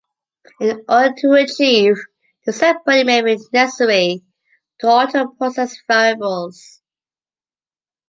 In order to achieve the setpoint it may be necessary to alter process variables.